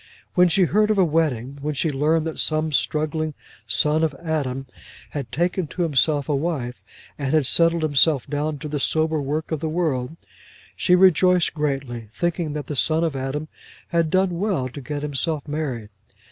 When she heard of a wedding, when she learned that some struggling son of Adam had taken to himself a wife, and had settled himself down to the sober work of the world, she rejoiced greatly, thinking that the son of Adam had done well to get himself married.